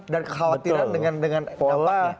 dan kekhawatiran dengan apa